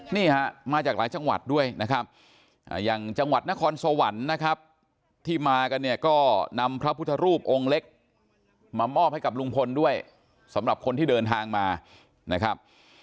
นี่ฮะมาจากหลายจังหวัดด้วยนะครับอย่างจังหวัดนครสวรรค์นะครับที่มากันเนี่ยก็นำพระพุทธรูปองค์เล็กมามอบให้กับลุงพลด้วยสำหรับคนที่เดินทางมานะครับ